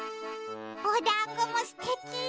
おだんごもすてき。